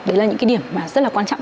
đấy là những điểm rất là quan trọng